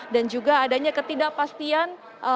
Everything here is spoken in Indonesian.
dan juga adanya ketidakpastian